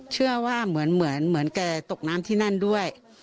เชื่อว่าเหมือนแกตกน้ำที่นั่นด้วย